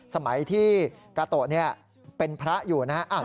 สมัยที่กาโตะเป็นพระอยู่นะฮะ